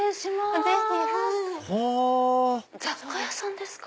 雑貨屋さんですか？